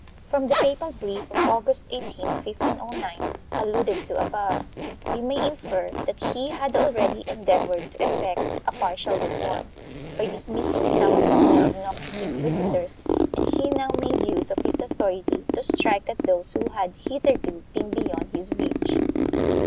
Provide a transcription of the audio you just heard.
From the papal brief of August .18,. 1509, alluded to above (p. 178), we may infer that he had already endeavored to effect a partial reform, by dismissing some of the more obnoxious inquisitors, and he now made use of his authority to strike at those who had hitherto been beyond his reach.